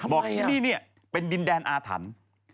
บอกที่นี่เป็นดินแดนอาถรรพ์